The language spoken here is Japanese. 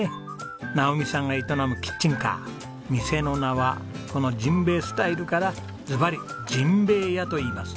直己さんが営むキッチンカー店の名はこの甚平スタイルからずばり「じんべいや」といいます。